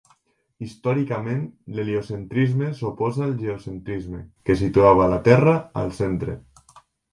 Històricament, l'heliocentrisme s'oposa al geocentrisme, que situava la Terra al centre.